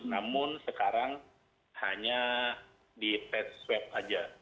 namun sekarang hanya di test sweep saja